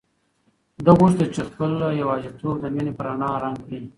ده غوښتل چې خپله یوازیتوب د مینې په رڼا رنګ کړي.